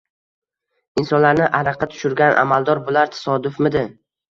insonlarni ariqqa tushirgan amaldor – bular tasodifmidi?